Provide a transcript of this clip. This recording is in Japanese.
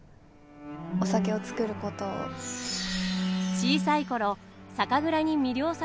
小さい頃酒蔵に魅了された綾でしたが。